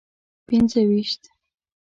پنځه ویشت.